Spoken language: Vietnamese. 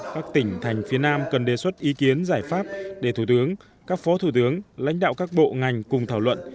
các tỉnh thành phía nam cần đề xuất ý kiến giải pháp để thủ tướng các phó thủ tướng lãnh đạo các bộ ngành cùng thảo luận